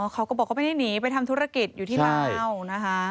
เขาก็บอกเขาไม่ได้หนีไปทำธุรกิจอยู่ที่ลาวนะคะ